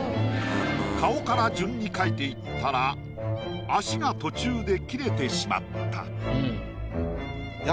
顔から順に描いていったら足が途中で切れてしまった。